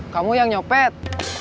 kamu yang nyopet